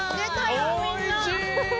おいしい！